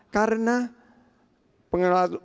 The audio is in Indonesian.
karena pengelolaan yang belum dihasilkan